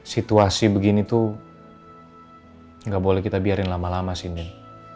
situasi begini tuh gak boleh kita biarin lama lama sini